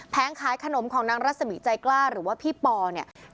ขายขนมของนางรัศมีใจกล้าหรือว่าพี่ปอเนี่ย